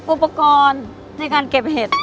อุปกรณ์ในการเก็บเห็ด